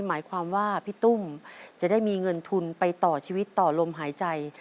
หมายความว่าพี่ตุ้มจะได้มีเงินทุนไปต่อชีวิตต่อลมหายใจ